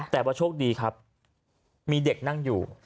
แต่ว่าโชคดีครับมีเด็กนั่งอยู่